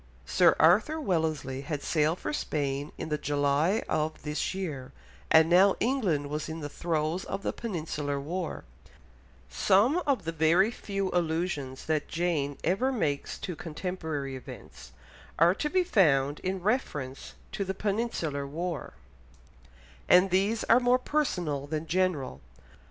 Sir Arthur Wellesley had sailed for Spain in the July of this year, and now England was in the throes of the Peninsular War; some of the very few allusions that Jane ever makes to contemporary events are to be found in reference to the Peninsular War, and these are more personal than general.